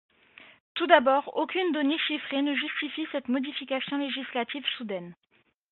Tout d’abord, aucune donnée chiffrée ne justifie cette modification législative soudaine.